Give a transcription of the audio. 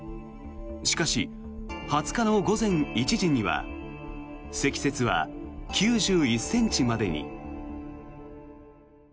しかし、２０日の午前１時には積雪は９１ｃｍまでに。